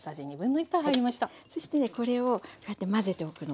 そしてねこれをこうやって混ぜておくの。